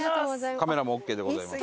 カメラもオーケーでございます。